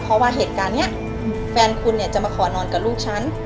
เพราะว่าเหตุการณ์นี้แฟนคุณเนี่ยจะมาขอนอนกับลูกฉัน